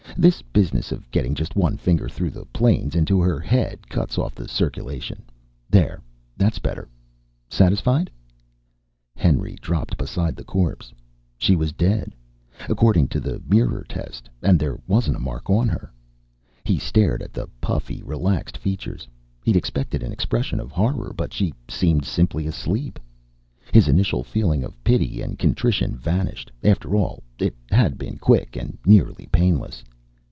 "This business of getting just one finger through the planes into her head cuts off the circulation. There, that's better. Satisfied?" Henry dropped beside the corpse. She was dead, according to the mirror test, and there wasn't a mark on her. He stared at the puffy, relaxed features; he'd expected an expression of horror, but she seemed simply asleep. His initial feeling of pity and contrition vanished; after all, it had been quick and nearly painless.